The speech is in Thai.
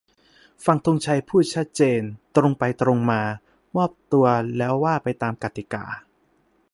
ฟัง ธงชัย พูด ชัดเจน ตรงไปตรงมา "มอบตัว" แล้วว่าไปตามกติกา